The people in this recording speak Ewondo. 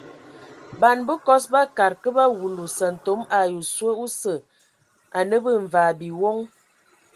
Ban bəkɔs bakad kə ba wulu sƐntome ai oswe osə anə bə mvaa biwoŋ.